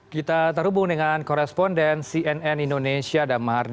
kita terhubung dengan koresponden cnn indonesia damardi